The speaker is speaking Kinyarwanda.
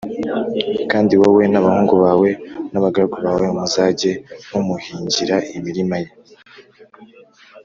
Kandi wowe n’abahungu bawe n’abagaragu bawe muzajye mumuhingira imirima ye